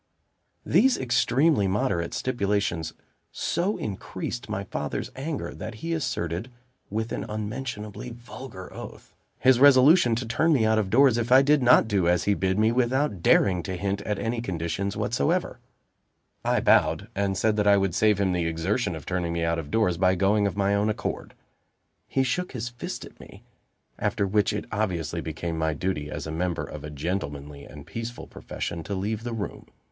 These extremely moderate stipulations so increased my father's anger, that he asserted, with an unmentionably vulgar oath, his resolution to turn me out of doors if I did not do as he bid me, without daring to hint at any conditions whatsoever. I bowed, and said that I would save him the exertion of turning me out of doors, by going of my own accord. He shook his fist at me; after which it obviously became my duty, as a member of a gentlemanly and peaceful profession, to leave the room.